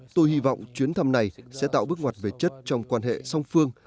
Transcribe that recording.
tôi hy vọng chuyến thăm này sẽ tạo bước ngoặt về chất trong quan hệ song phương